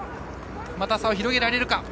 また差を広げられるか。